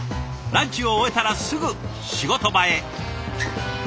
ランチを終えたらすぐ仕事場へ。